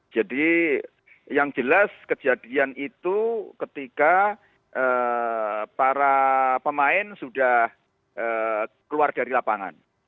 jadi yang jelas kejadian itu ketika para pemain sudah keluar dari lapangan